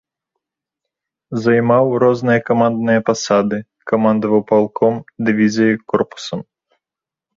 Займаў розныя камандныя пасады, камандаваў палком, дывізіяй, корпусам.